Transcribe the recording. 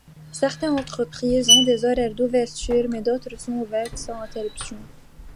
Certaines entreprises ont des horaires d'ouvertures, mais d'autres sont ouvertes sans interruption.